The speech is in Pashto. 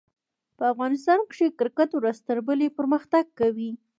په افغانستان کښي کرکټ ورځ تر بلي پرمختګ کوي.